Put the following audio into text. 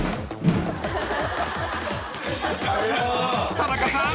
［田中さん